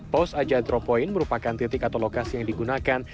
pos aja dropoint merupakan titik atau lokasi yang digunakan